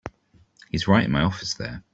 He's right in my office there.